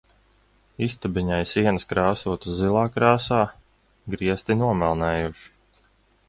Istabiņai sienas krāsotas zilā krāsā, griesti nomelnējuši.